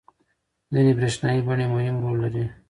ځینې برېښنايي بڼې مهم رول لري.